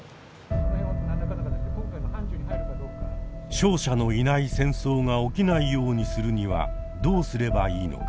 “勝者のいない戦争”が起きないようにするにはどうすればいいのか。